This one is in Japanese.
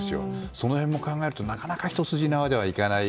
その辺も考えるとなかなか一筋縄ではいかない